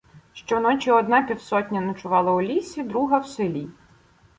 Щоночі одна півсотня ночувала у лісі, друга — в селі.